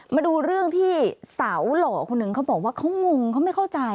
มาดูเรื่องที่สาวหล่อคนหนึ่งเขาบอกว่าเขางงเขาไม่เข้าใจ